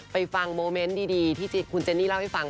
ฟังโมเมนต์ดีที่คุณเจนนี่เล่าให้ฟัง